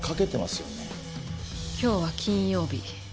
今日は金曜日。